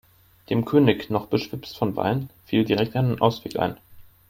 Dem König, noch beschwipst vom Wein, fiel direkt ein Ausweg ein.